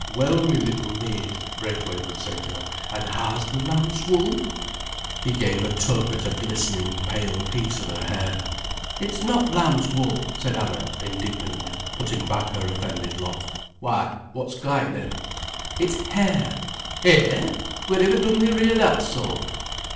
"Well, me little maid," Braithwaite would say to her, "an' how's th' lamb's wool?" He gave a tug at a glistening, pale piece of her hair. "It's not lamb's wool," said Anna, indignantly putting back her offended lock. "Why, what'st ca' it then?" "It's hair." "Hair! Wheriver dun they rear that sort?"